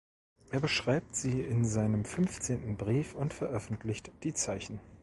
Er beschreibt sie in seinem fünfzehnten Brief und veröffentlicht die Zeichen.